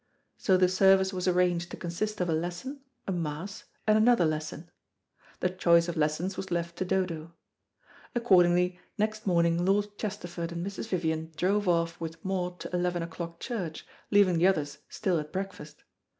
So the service was arranged to consist of a lesson, a Mass, and another lesson. The choice of lessons was left to Dodo. Accordingly, next morning Lord Chesterford and Mrs. Vivian drove off with Maud to eleven o'clock church, leaving the others still at breakfast.